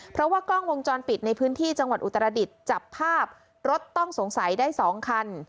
เพราะว่ากล้องวงจรปิดในพื้นที่จังหวัดอุตรดิษฐ์จับภาพรถต้องสงสัยได้๒คัน